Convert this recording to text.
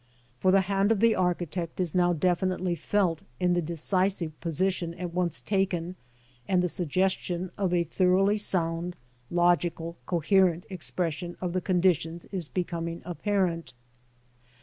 For the hand of the architect is now definitely felt in the decisive position at once taken, and the sug gestion of a thoroughly sound, logical, coherent expression of the con ditions is becoming apparent.